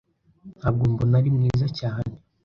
Ntabwo mbona ari mwiza cyane.